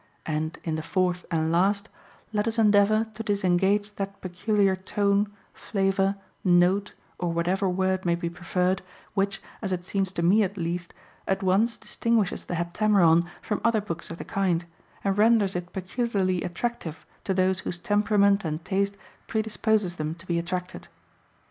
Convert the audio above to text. And, in the fourth and last, let us endeavour to disengage that peculiar tone, flavour, note, or whatever word may be preferred, which, as it seems to me at least, at once distinguishes the Heptameron from other books of the kind, and renders it peculiarly attractive to those whose temperament and taste predisposes them to be attracted.